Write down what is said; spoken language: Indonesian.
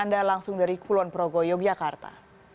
anda langsung dari kulon progo yogyakarta